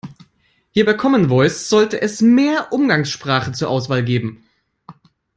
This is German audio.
Hier bei Common Voice sollte es mehr Umgangssprache zur Auswahl geben.